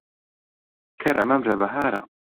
کەرە مەمرە بەهارە.